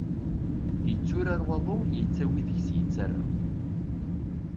Yetturar waḍu yettawi deg-s yettara.